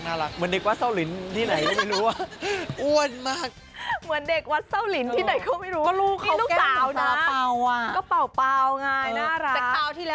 เหมือนเด็กวัดเศร้าลินที่ไหนเลยไม่รู้